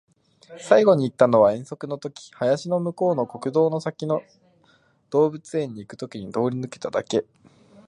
最後に行ったのは遠足の時、林の向こうの国道の先の動物園に行く時に通り抜けただけ